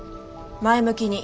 前向きに。